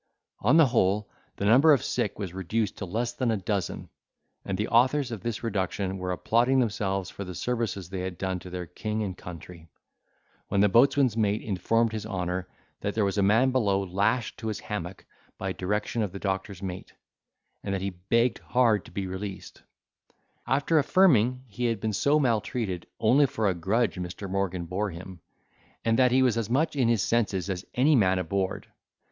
On the whole, the number of the sick was reduced to less than a dozen; and the authors of this reduction were applauding themselves for the services they had done to their king and country, when the boatswain's mate informed his honour, that there was a man below lashed to his hammock, by direction of the doctor's mate, and that he begged hard to be released; affirming, he had been so maltreated only for a grudge Mr. Morgan bore him, and that he was as much in his senses as any man aboard.